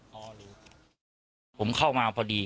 บิดไปเลยครับพี่